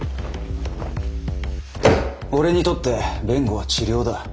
俺にとって弁護は治療だ。